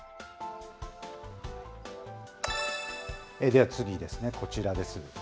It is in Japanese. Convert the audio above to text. では次ですね、こちらです。